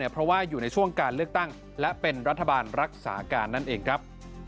เพราะว่าอยู่ในช่วงการเลือกตั้งและเป็นรัฐบาลรักษาการนั่นเองครับ